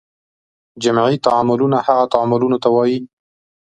جمعي تعاملونه هغه تعاملونو ته وایي.